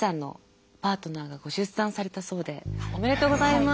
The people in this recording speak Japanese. おめでとうございます。